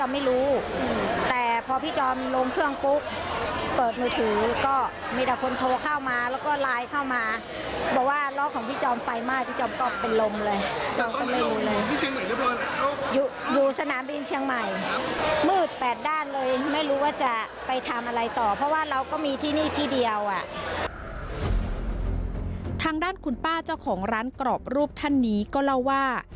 มีที่นี่ที่เดียวอ่ะทางด้านคุณป้าเจ้าของร้านกรอบรูปท่านนี้ก็เล่าว่า